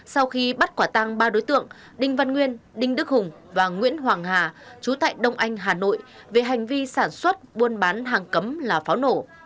sau khi bắt quả tăng ba đối tượng đinh văn nguyên đinh đức hùng và nguyễn hoàng hà chú tại đông anh hà nội về hành vi sản xuất buôn bán hàng cấm là pháo nổ